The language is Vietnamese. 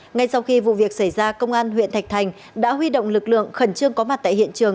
ngay sau khi vụ việc xảy ra công an huyện thạch thành đã huy động lực lượng khẩn trương có mặt tại hiện trường